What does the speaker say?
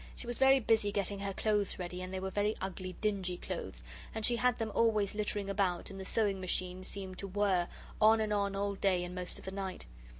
She was very busy getting her clothes ready, and they were very ugly, dingy clothes, and she had them always littering about, and the sewing machine seemed to whir on and on all day and most of the night.